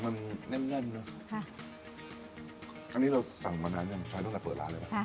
มันแน่นแน่นเนอะค่ะอันนี้เราสั่งมานานยังใช้ตั้งแต่เปิดร้านเลยป่ะ